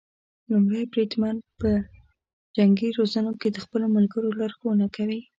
لومړی بریدمن په جنګي روزنو کې د خپلو ملګرو لارښونه کوي.